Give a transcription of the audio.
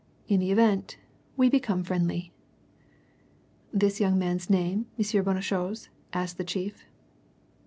In the event, we become friendly." "This young man's name, M. Bonnechose?" asked the chief.